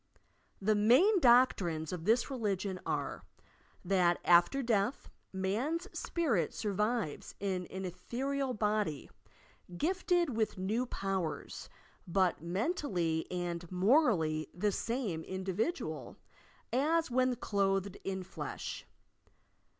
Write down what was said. ... The main doctrines of this religion are: that after death, man's spirit survives in an ethereal body, gifted with new powers, but mentally and morally the same individual as when clothed in flesh.